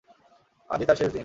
আজই তার শেষ দিন।